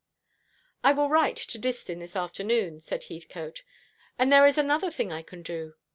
"I will write to Distin this afternoon," said Heathcote. "And there is another thing I can do.